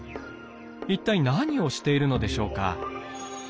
一体何をしているのでしょうか？